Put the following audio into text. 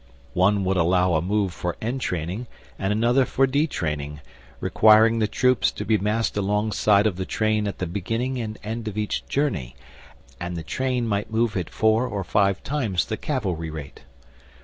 One would allow a move for entraining and another for detraining, requiring the troops to be massed alongside the train at the beginning and end of each journey, and the train might move at four or five times the cavalry rate.